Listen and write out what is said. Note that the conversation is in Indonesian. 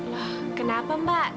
loh kenapa mbak